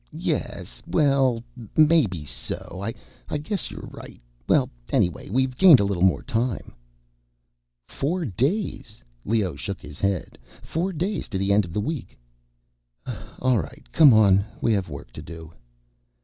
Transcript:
"Uu m m, yes, well, maybe so. I guess you're right—Well, anyway, we've gained a little more time." "Four days." Leoh shook his head. "Four days to the end of the week. All right, come on, we have work to do."